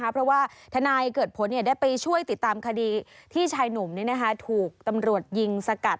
เพราะว่าทนายเกิดผลได้ไปช่วยติดตามคดีที่ชายหนุ่มถูกตำรวจยิงสกัด